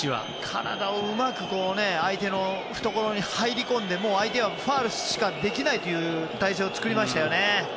体をうまく相手の懐に入り込んで相手はファウルしかできないという体勢を作りましたよね。